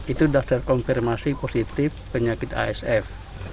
itu dasar konfirmasi positif penyakit asf